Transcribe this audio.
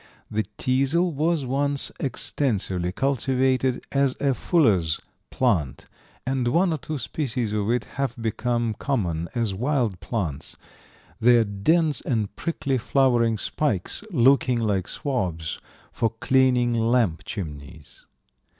The teasel was once extensively cultivated as a fuller's plant, and one or two species of it have become common as wild plants, their dense and prickly flowering spikes looking like swabs for cleaning lamp chimneys.